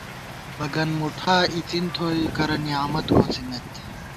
بگن مُٹھا اِڅِن تھوئی کرہ نعمت کوڅِمېت